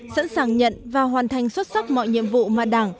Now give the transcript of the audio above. sẵn sàng nhận và hoàn thành xuất sắc mọi nhiệm vụ mà đảng